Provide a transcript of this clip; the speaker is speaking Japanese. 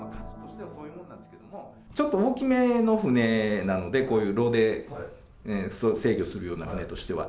ちょっと大きめの船なので、こういうろで制御するような船としては。